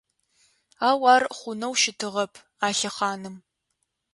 Ау ар хъунэу щытыгъэп а лъэхъаным…